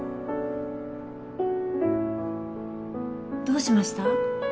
どうしました？